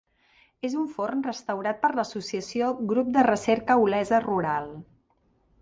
És un forn restaurat per l'associació Grup de Recerca Olesa Rural.